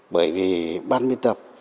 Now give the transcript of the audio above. bởi vì ban biên tập